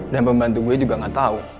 dan pembantu gue juga gak tau